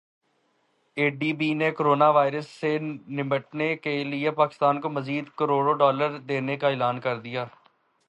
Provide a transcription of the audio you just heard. اے D B نے corona virus سے نمٹنے کیلئے پاکستان کو مزید کروڑ ڈالر دینے کا اعلان کردیا